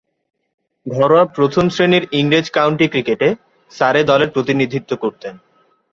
ঘরোয়া প্রথম-শ্রেণীর ইংরেজ কাউন্টি ক্রিকেটে সারে দলের প্রতিনিধিত্ব করতেন।